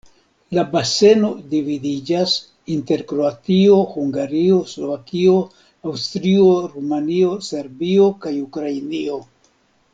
La baseno dividiĝas inter Kroatio, Hungario, Slovakio, Aŭstrio, Rumanio, Serbio kaj Ukrainio.